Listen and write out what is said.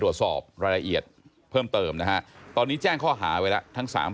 ตรวจสอบรายละเอียดเพิ่มเติมนะฮะตอนนี้แจ้งข้อหาไว้แล้วทั้งสาม